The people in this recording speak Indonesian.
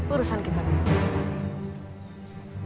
urusan kita belum selesai